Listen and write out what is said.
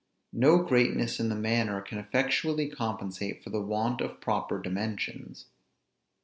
No greatness in the manner can effectually compensate for the want of proper dimensions.